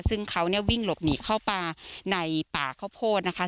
ซึ่งเขาเนี่ยวิ่งหลบหนีเข้าป่าในป่าข้าวโพดนะคะ